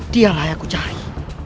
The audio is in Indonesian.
dialah yang aku cari